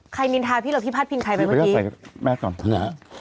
ใครนินทาพี่หรือพี่พัดพิงใครไปเมื่อกี้พี่ไปกับใส่แม่ก่อน